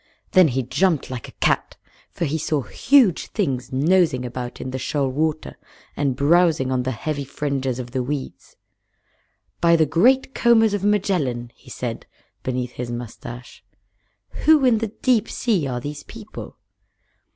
Then he jumped like a cat, for he saw huge things nosing about in the shoal water and browsing on the heavy fringes of the weeds. "By the Great Combers of Magellan!" he said, beneath his mustache. "Who in the Deep Sea are these people?"